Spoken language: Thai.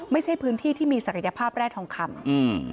ไม่ใช่พื้นที่ที่มีศักยภาพแร่ทองคำอืม